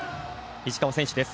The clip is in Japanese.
石川選手です。